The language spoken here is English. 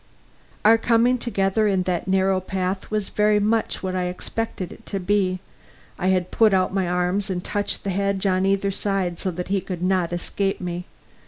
Our coming together in that narrow path was very much what I expected it to be. I had put out my arms and touched the hedge on either side, so that he could not escape me.